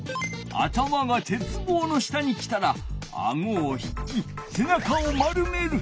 頭が鉄棒の下に来たらあごを引きせなかを丸める。